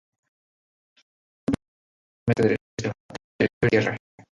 Siguieron peligrosamente la orilla norte del estrecho, entre el hielo y la tierra.